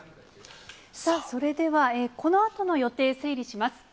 さあ、それではこのあとの予定、整理します。